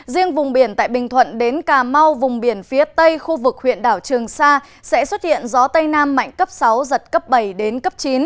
riêng vùng biển tại bình thuận đến cà mau vùng biển phía tây khu vực huyện đảo trường sa sẽ xuất hiện gió tây nam mạnh cấp sáu giật cấp bảy đến cấp chín